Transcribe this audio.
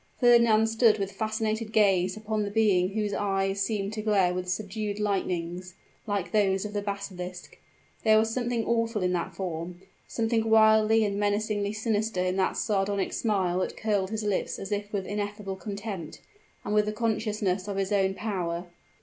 Fernand stood with fascinated gaze fixed upon the being whose eyes seemed to glare with subdued lightnings, like those of the basilisk. There was something awful in that form something wildly and menacingly sinister in the sardonic smile that curled his lips as if with ineffable contempt, and with the consciousness of his own power!